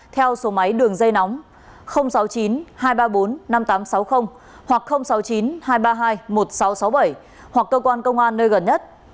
theo số máy đường dây nóng sáu mươi chín hai trăm ba mươi bốn năm nghìn tám trăm sáu mươi hoặc sáu mươi chín hai trăm ba mươi hai một nghìn sáu trăm sáu mươi bảy hoặc cơ quan công an nơi gần nhất